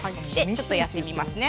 ちょっとやってみますね。